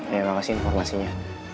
ya makasih informasinya